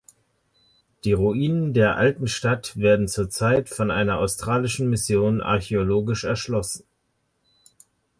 Die Ruinen der alten Stadt werden zurzeit von einer australischen Mission archäologisch erschlossen.